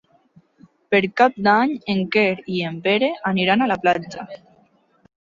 Per Cap d'Any en Quer i en Pere aniran a la platja.